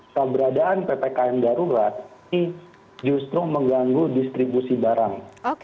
keberadaan ppkm darurat ini justru mengganggu distribusi barang